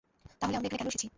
তাহলে আমরা এখানে কেন এসেছি?